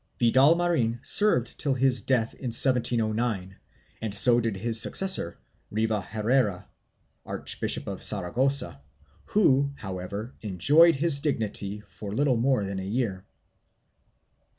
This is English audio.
2 Vidal Marin served till his death in 1709 and so did his successor Riva Herrera, Archbishop of Saragossa, who, however, enjoyed his dignity for little more than a year.